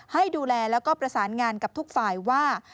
ให้ดูแลแล้วก็ประสานงานกับทุกฝ่ายว่า